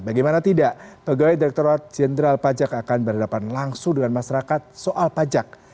bagaimana tidak pegawai direkturat jenderal pajak akan berhadapan langsung dengan masyarakat soal pajak